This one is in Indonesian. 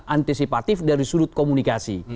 antisipatif dari sudut komunikasi